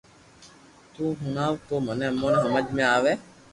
تمي ھڻاوہ تو امو ني ھمج ۾ آوي